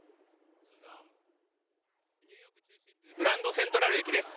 グランドセントラル駅です。